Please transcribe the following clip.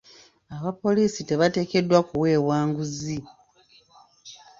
Abapoliisi tebateekeddwa kuweebwa nguzi .